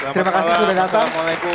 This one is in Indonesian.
terima kasih sudah datang